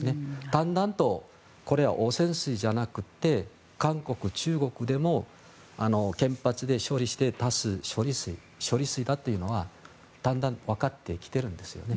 だんだんとこれは汚染水じゃなくて韓国、中国でも原発で処理した処理水だというのはだんだんわかってきているんですよね。